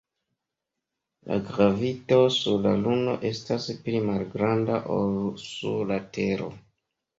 La gravito sur la Luno estas pli malgranda ol sur la Tero.